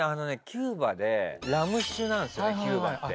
キューバでラム酒なんですよねキューバって。